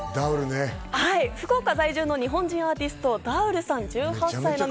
福岡在住の日本人アーティスト、Ｄｏｕｌさん、１８歳。